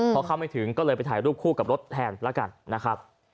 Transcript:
พอเข้าไม่ถึงก็เลยไปถ่ายรูปคู่กับรถแทนแล้วกันนะครับ